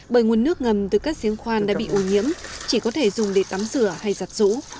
bởi nguồn nước ngầm từ các diễn khoan đã bị ô nhiễm chỉ có thể dùng để tắm rửa hay giặt rũ